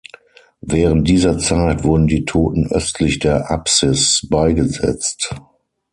Während dieser Zeit wurden die Toten östlich der Apsis beigesetzt.